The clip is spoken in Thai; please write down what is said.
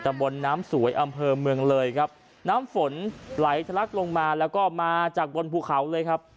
บนน้ำสวยอำเภอเมืองเลยครับน้ำฝนไหลทะลักลงมาแล้วก็มาจากบนภูเขาเลยครับ